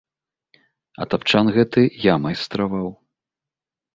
А тапчан гэты я майстраваў.